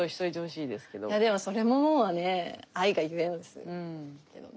いやでもそれももうね愛が故のですけどね。